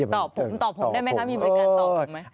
ตอบผมตอบผมได้ไหมคะมีบริการตอบผมไหม